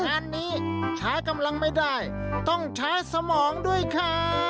งานนี้ใช้กำลังไม่ได้ต้องใช้สมองด้วยค่ะ